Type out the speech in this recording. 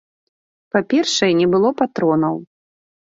Па-першае, не было патронаў.